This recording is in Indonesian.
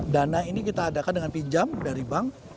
dana ini kita adakan dengan pinjam dari bank